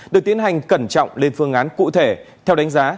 được tiến hành cẩn trọng lên phương án cụ thể theo đánh giá